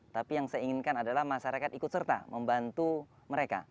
tapi yang saya inginkan adalah masyarakat ikut serta membantu mereka